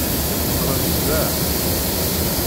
Zedɣent da.